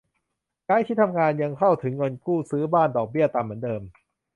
ย้ายที่ทำงาน ยังเข้าถึงเงินกู้ซื้อบ้านดอกเบี้ยต่ำเหมือนเดิม